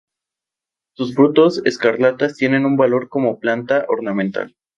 Sus frutos escarlatas tienen valor como planta ornamental.